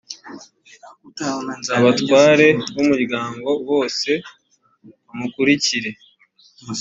abatware b’umuryango bose bamukurikire.